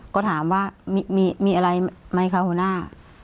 ก็ถามว่ามีอะไรไหมคะหัวหน้า